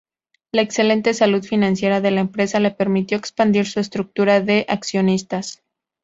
La excelente salud financiera de la empresa le permitió expandir su estructura de accionistas.